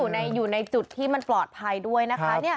อยู่ในจุดที่มันปลอดภัยด้วยนะคะ